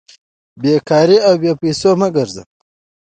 بې کاره او بې پېسو مه ګرځئ!